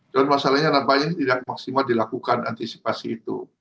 dan masalahnya nampaknya tidak maksimal dilakukan antisipasi itu